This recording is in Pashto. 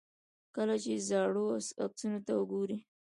کله چې زاړو عکسونو ته ګورئ.